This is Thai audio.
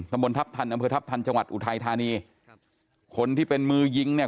บนทัพทันอำเภอทัพทันจังหวัดอุทัยธานีครับคนที่เป็นมือยิงเนี่ย